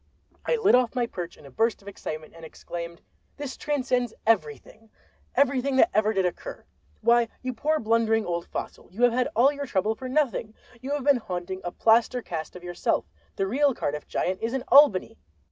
I lit off my perch in a burst of excitement, and exclaimed: "This transcends everything! everything that ever did occur! Why you poor blundering old fossil, you have had all your trouble for nothing—you have been haunting a plaster cast of yourself—the real Cardiff Giant is in Albany!